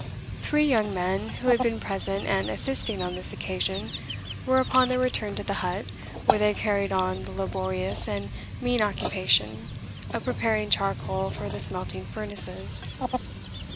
Three young men, who had been present and assisting on this occasion were upon their return to the hut where they carried on the laborious and mean occupation of preparing charcoal for the smelting furnaces.